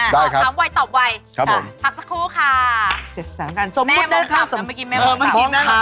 ได้ครับครั้งวัยตอบวัยผักสักครู่ค่ะสมมุตินะครับพร้อมครับ